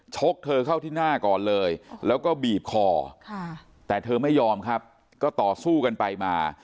เธอเข้าที่หน้าก่อนเลยแล้วก็บีบคอแต่เธอไม่ยอมครับก็ต่อสู้กันไปมา